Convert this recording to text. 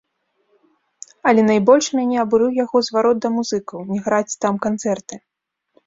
Але найбольш мяне абурыў яго зварот да музыкаў, не граць там канцэрты.